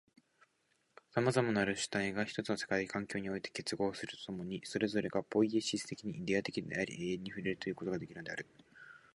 種々なる主体が一つの世界的環境において結合すると共に、それぞれがポイエシス的にイデヤ的であり、永遠に触れるということができるのである。